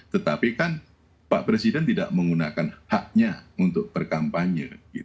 tetapi kan pak presiden tidak menggunakan haknya untuk berkampanye